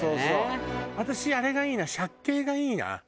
私あれがいいな借景がいいな。